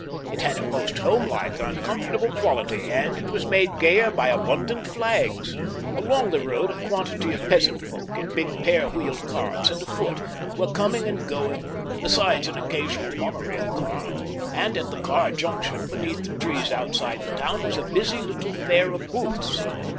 It had a most home like and comfortable quality, and it was made gayer by abundant flags. Along the road a quantity of peasant folk, in big pair wheeled carts and afoot, were coming and going, besides an occasional mono rail car; and at the car junction, under the trees outside the town, was a busy little fair of booths.